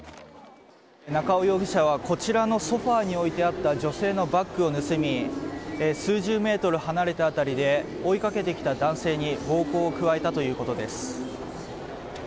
中尾容疑者はこちらのソファに置いてあった女性のバッグを盗み数十メートル離れた辺りで追いかけてきた男性に暴行を加えたということです。